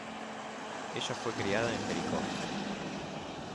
Ella fue criada en Jericó.